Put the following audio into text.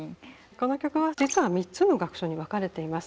この曲は実は３つの楽章に分かれています。